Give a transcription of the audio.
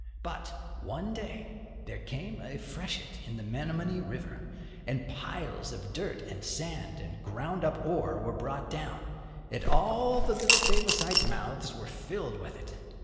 But, one day, there came a freshet in the Menomonee River, and piles of dirt and sand and ground up iron ore were brought down, and all the little Favosites' mouths were filled with it.